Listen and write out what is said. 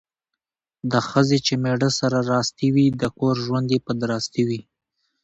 د ښځې چې میړه سره راستي وي ،د کور ژوند یې په درستي وي.